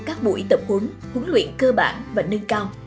các buổi tập huấn huấn luyện cơ bản và nâng cao